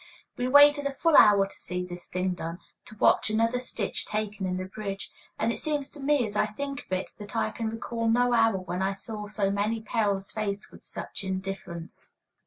We waited a full hour to see this thing done to watch another stitch taken in the bridge; and it seems to me, as I think of it, that I can recall no hour when I saw so many perils faced with such indifference.